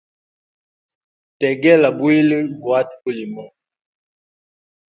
Tegela bwili guhate bulimuhu.